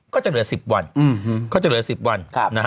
ก็จะเหลือ๑๐วัน